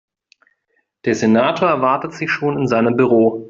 Der Senator erwartet Sie schon in seinem Büro.